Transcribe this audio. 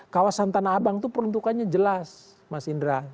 kawasan tanah abang itu peruntukannya jelas mas indra